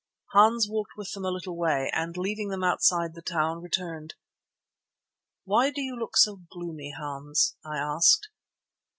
Hans walked with them a little way and, leaving them outside the town, returned. "Why do you look so gloomy, Hans?" I asked.